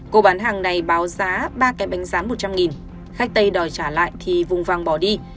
cô bán hàng này báo giá ba cái bánh rán một trăm linh khách tây đòi trả lại thì vùng vàng bỏ đi